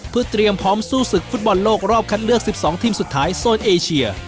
เพื่อเตรียมพร้อมสู้ศึกฟุตบอลโลกรอบคัดเลือก๑๒ทีมสุดท้ายโซนเอเชีย